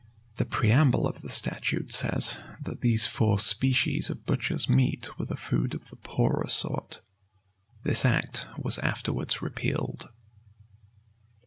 The preamble of the statute says, that these four species of butcher's meat were the food of the poorer sort. This ace was afterwards repealed.